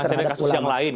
masih ada yang lain